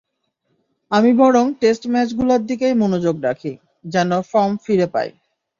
আমি বরং টেস্ট ম্যাচগুলোর দিকেই মনোযোগ রাখি, যেন ফর্ম ফিরে পাই।